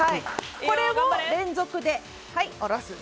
これを連続で。